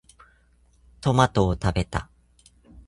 トマトを食べた。